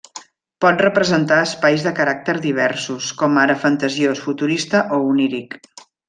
Pot representar espais de caràcter diversos com ara fantasiós, futurista o oníric.